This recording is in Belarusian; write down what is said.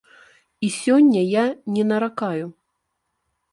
І сёння я не наракаю.